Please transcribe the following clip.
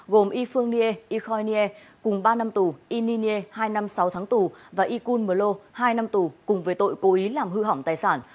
gồm y phương nghê y khoi nghê cùng ba năm tù y nhi nghê hai năm sáu tháng tù và y cun mơ lô hai năm tù cùng với tội cố ý làm hư hỏng tài sản